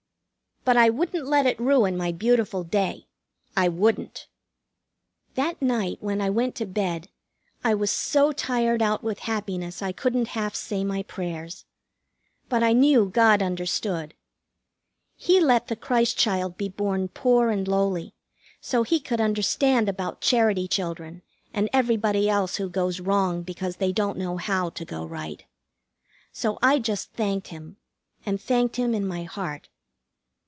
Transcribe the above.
But I wouldn't let it ruin my beautiful day. I wouldn't. That night, when I went to bed, I was so tired out with happiness I couldn't half say my prayers. But I knew God understood. He let the Christ child be born poor and lowly, so He could understand about Charity children, and everybody else who goes wrong because they don't know how to go right. So I just thanked Him, and thanked Him in my heart.